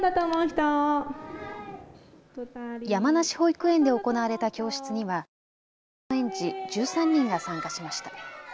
山梨保育園で行われた教室には年長の園児１３人が参加しました。